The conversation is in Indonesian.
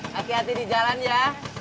hati hati di jalan ya